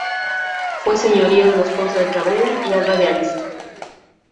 Fue señorío de los Ponce de Cabrera y Alba de Aliste.